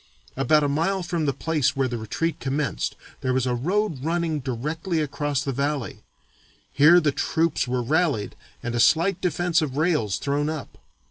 About a mile from the place where the retreat commenced there was a road running directly across the valley. Here the troops were rallied and a slight defence of rails thrown up.